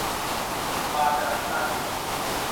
ปลาจะละเม็ดราดพริก